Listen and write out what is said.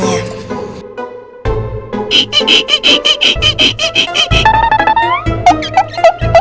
nih gini caranya